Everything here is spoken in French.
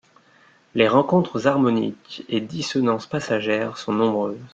Les rencontres harmoniques et dissonances passagères sont nombreuses.